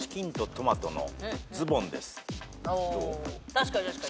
確かに確かに。